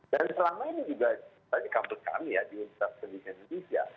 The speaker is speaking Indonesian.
dan selama ini juga tadi kampus kami ya di universitas kedengar indonesia